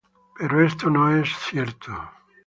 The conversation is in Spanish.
Pero esto no es cierto.